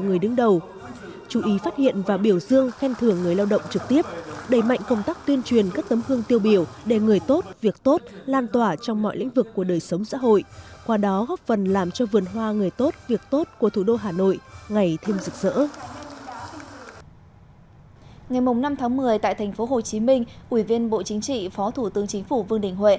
ngày năm tháng một mươi tại tp hcm ủy viên bộ chính trị phó thủ tượng chính phủ vương đình huệ